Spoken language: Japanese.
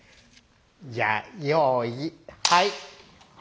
じゃあよいはい。